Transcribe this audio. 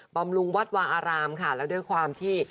บำรุงวัดวาอารามค่ะแล้วด้วยความที่